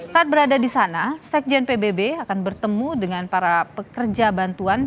saat berada di sana sekjen pbb akan bertemu dengan para pekerja bantuan